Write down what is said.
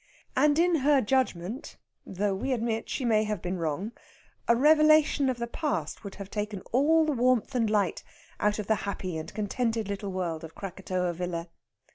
And in her judgment though we admit she may have been wrong a revelation of the past would have taken all the warmth and light out of the happy and contented little world of Krakatoa Villa.